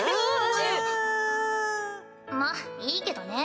まっいいけどね。